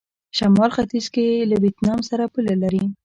شمال ختيځ کې له ویتنام سره پوله لري.